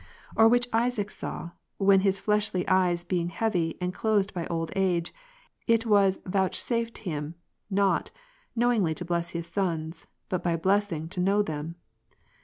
Or which Isaac saw, when his fleshly eyes being heavy and closed by old Gen. 27. age, it was vouchsafed him, not, knowingly to bless his sons, but by blessing to know them.